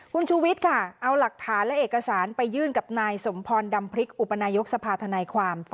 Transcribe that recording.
คุณชูวิทย์ค่ะเอาหลักฐานและเอกสารไปยื่นกับนายสมพรดำพริกอุปนายกสภาธนายความ